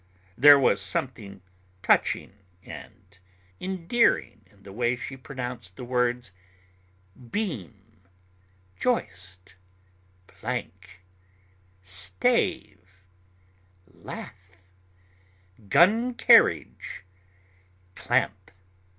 There was something touching and endearing in the way she pronounced the words, "beam," "joist," "plank," "stave," "lath," "gun carriage," "clamp."